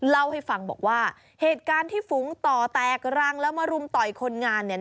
เล่าให้ฟังบอกว่าเหตุการณ์ที่ฝูงต่อแตกรังแล้วมารุมต่อยคนงานเนี่ย